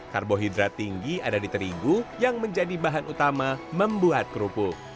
karbohidrat tinggi ada di terigu yang menjadi bahan utama membuat kerupuk